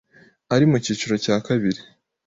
ari mu cyiciro cya Kabiri,